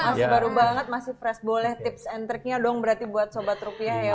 masih baru banget masih fresh boleh tips and tricknya dong berarti buat sobat rupiah ya